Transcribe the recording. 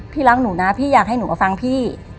รักหนูนะพี่อยากให้หนูมาฟังพี่